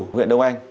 nguyện đông anh